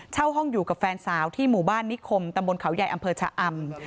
เช่าห้องอยู่กับแฟนสาวที่หมู่บ้านนิคมตำบลเขาใหญ่อำเภอชะอำ